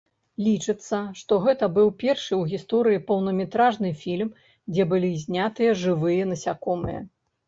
Лічыцца, што гэта быў першы ў гісторыі поўнаметражнай фільм, дзе былі зняты жывыя насякомыя.